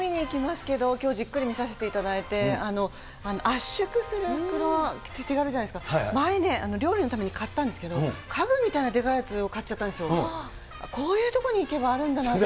たまに見に行ったりしますけど、きょうじっくり見させていただいて、圧縮する袋のあるじゃないですか、前ね、料理のために買ったんですけど、家具みたいなでかいやつを買っちゃったんですよ、こういうとこに行けばあるんだなと。